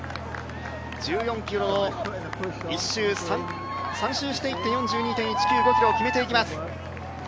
１４ｋｍを３周して４２．１９５ｋｍを決めていきます。